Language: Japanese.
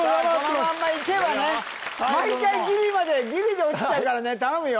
このまんまいけばね毎回ギリまでギリで落ちちゃうからね頼むよ